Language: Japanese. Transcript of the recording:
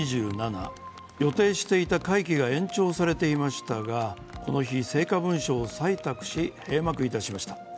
予定していた会期が延長されていましたが、この日、成果文書を採択し閉幕しました。